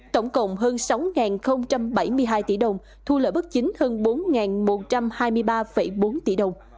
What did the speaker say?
tổng cộng hơn sáu bảy mươi hai tỷ đồng thu lợi bất chính hơn bốn một trăm hai mươi ba bốn tỷ đồng